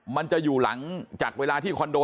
มันจะอยู่หลังจากเวลาที่คอนโด